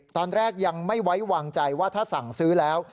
ตอนแรกยังไม่ไว้วางใจว่าถ้าสั่งซื้อแล้ว